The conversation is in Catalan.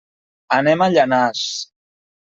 Anem a Llanars.